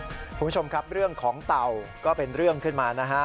คุณผู้ชมครับเรื่องของเต่าก็เป็นเรื่องขึ้นมานะฮะ